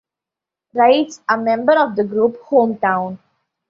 Wright's, a member of the group, hometown.